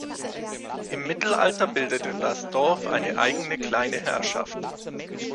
Im Mittelalter bildete das Dorf eine eigene kleine Herrschaft.